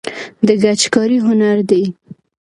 د ګچ کاري هنر دی